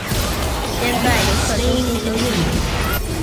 先在游客中心休息